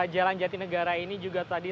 jalan jati negara ini juga tadi